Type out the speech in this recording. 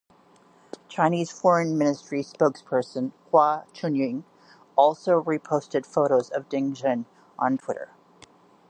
Chinese Foreign Ministry spokesperson Hua Chunying also reposted photos of Ding Zhen on Twitter.